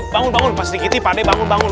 bangun pas dikit nih pakde bangun